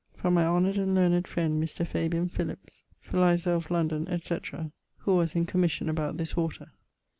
From my honoured and learned friend Mr. Fabian Philips, filiser of London, etc., who was in commission about this water.